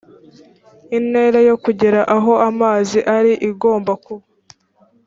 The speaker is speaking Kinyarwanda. intera yo kugera aho amazi ari igomba kuba